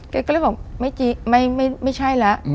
แกก็เลยบอกไม่ใช่แล้ว